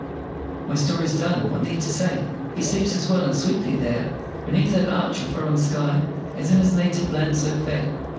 My story's done what need to say He sleeps as well and sweetly there Beneath that arch of foreign sky As in his native land so fair.